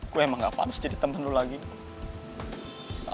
gue emang enggak harus jadi temen lu lagi dok